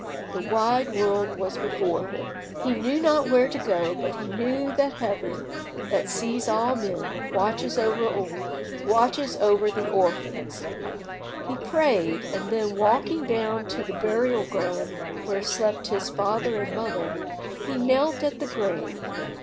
The wide world was before him. He knew not where to go, but he knew that Heaven, that sees all men, watches over the orphans. He prayed, and then walking down to the burial ground where slept his father and mother, he knelt at the grave.